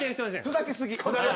ふざけ過ぎ。